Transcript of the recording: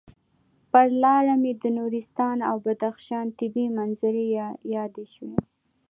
پر لاره مې د نورستان او بدخشان طبعي منظرې یادې شوې.